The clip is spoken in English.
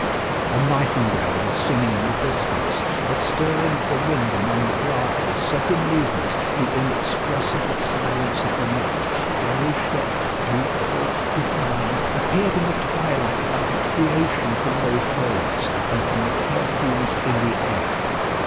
A nightingale was singing in the distance. The stirring of the wind among the branches set in movement, the inexpressible silence of the night. Déruchette, beautiful, divine, appeared in the twilight like a creation from those rays and from the perfumes in the air.